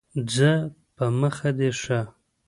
ځه په مخه دي ښه !